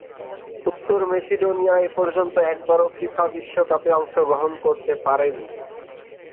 উত্তর মেসিডোনিয়া এপর্যন্ত একবারও ফিফা বিশ্বকাপে অংশগ্রহণ করতে পারেনি।